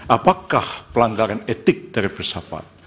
apakah pelanggaran etik dari filsafat